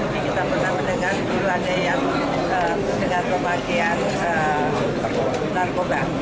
kita pernah mendengar di lade yang berdengar pemakaian narkoba